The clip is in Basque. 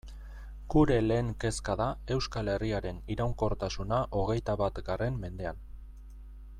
Gure lehen kezka da Euskal Herriaren iraunkortasuna hogeita batgarren mendean.